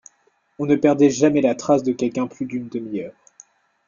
On ne perdait jamais la trace de quelqu’un plus d’une demi-heure.